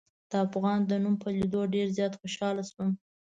د افغان د نوم په لیدلو ډېر زیات خوشحاله شوم.